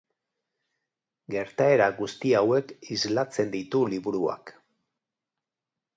Gertaera guzti hauek islatzen ditu liburuak.